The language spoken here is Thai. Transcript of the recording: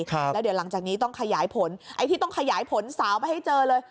แล้วเดี๋ยวหลังจากนี้ต้องขยายผลไอ้ที่ต้องขยายผลสาวไปให้เจอเลย